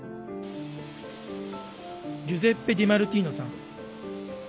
ジュゼッペ・ディマルティーノさん。